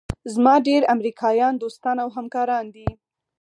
زما ډېر امریکایان دوستان او همکاران دي.